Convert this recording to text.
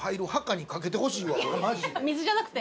水じゃなくて？